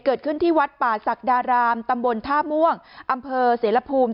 เกิดขึ้นที่วัดป่าศักดารามตำบลท่าม่วงอำเภอเสรภูมิ